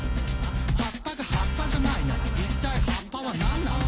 「葉っぱが葉っぱじゃないなら一体葉っぱはなんなんだ？」